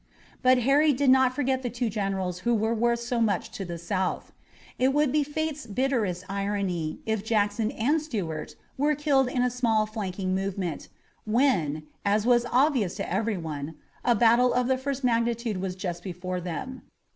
But Harry did not forget the two generals who were worth so much to the South. It would be fate's bitterest irony if Jackson and Stuart were killed in a small flanking movement, when, as was obvious to everyone, a battle of the first magnitude was just before them.